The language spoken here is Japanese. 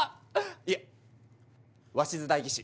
いえ鷲津代議士。